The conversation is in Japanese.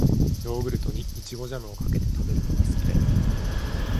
ヨーグルトに、いちごジャムをかけて食べるのが好きだよ。